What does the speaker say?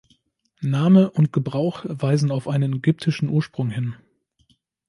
Name und Gebrauch weisen auf einen ägyptischen Ursprung hin.